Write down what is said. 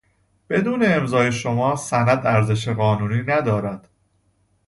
بدون امضای شما سند ارزش قانونی ندارد.